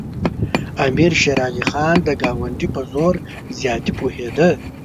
امیر شېر علي خان د ګاونډي په زور زیاتي پوهېده.